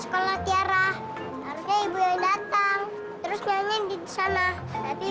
kamu pergi ke sekolahnya tiara